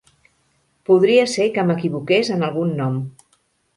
Podria ser que m'equivoqués en algun nom.